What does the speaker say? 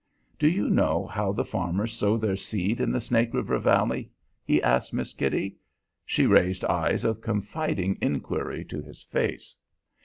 "Do you know how the farmers sow their seed in the Snake River valley?" he asked Miss Kitty. She raised eyes of confiding inquiry to his face.